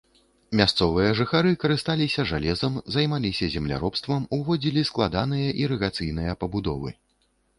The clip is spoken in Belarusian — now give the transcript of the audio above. Мясцовыя жыхары карысталіся жалезам, займаліся земляробствам, узводзілі складаныя ірыгацыйныя пабудовы.